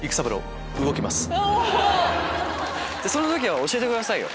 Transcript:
その時は教えてくださいよ。